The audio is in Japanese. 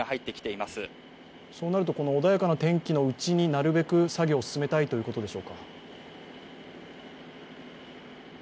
穏やかな天気のうちになるべく作業を進めたいということでしょうか。